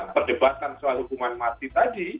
perdebatan soal hukuman mati tadi